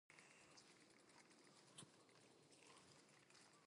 The ground is now covered by a car park behind university lecture-halls.